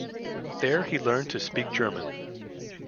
There he learned to speak German.